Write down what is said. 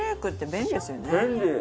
便利！